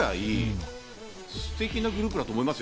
すてきなグループだと思いますよ。